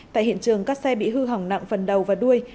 tại hiện trường các xe bị hư hỏng nặng phần đầu và đuôi